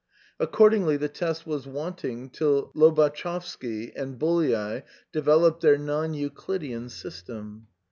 Accordingly the test was wanting till Lo batschewsky and Bolyai developed their non Euclidean system.